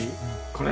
これ？